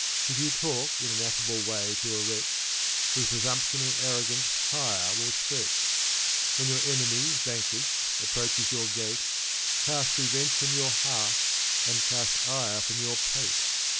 If you talk in an af&ble way to a wretch. His presumption and arrogance higher will stretch. When your enemy, vanquished, approaches your gate. Cast revenge from your heart and cast ire from your pate!